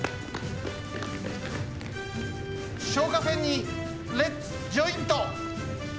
消火栓にレッツジョイント！